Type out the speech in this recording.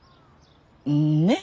うんね？